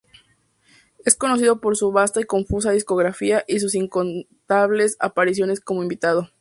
Es conocido por su vasta y confusa discografía y sus incontables apariciones como invitado.